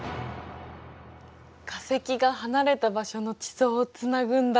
化石が離れた場所の地層をつなぐんだ。